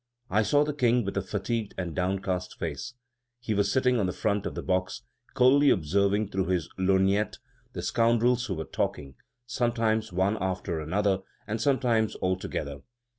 I saw the King with a fatigued and downcast face; he was sitting on the front of the box, coldly observing through his lorgnette the scoundrels who were talking, sometimes one after another, and sometimes all together.